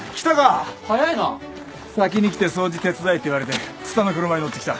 先に来て掃除手伝えって言われて蔦の車に乗ってきた。